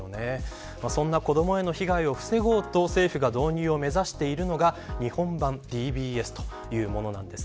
そんな子どもへの被害を防ごうと政府が導入を目指しているのが日本版ＤＢＳというものです。